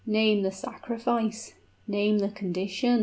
"Name the sacrifice name the condition!"